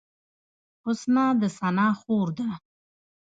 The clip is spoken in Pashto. حسنا د ثنا خور ده